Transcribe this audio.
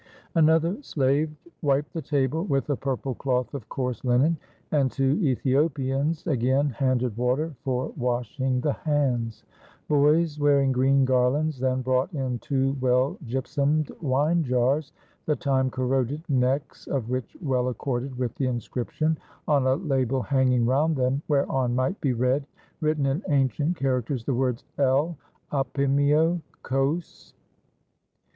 Another slave wiped the table with a purple cloth of coarse linen, and two Ethiopians again handed water for washing the hands. Boys, wearing green garlands, then brought in two well gypsumed wine jars, the time corroded necks of which well accorded with the inscrip tion on a label hanging round them, whereon might be read, written in ancient characters, the words L. Opimio Cos.